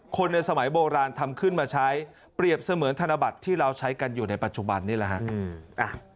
คนในสมัยโบราณทำขึ้นมาใช้เปรียบเสมือนธนบัตรที่เราใช้กันอยู่ในปัจจุบันนี่แหละครับ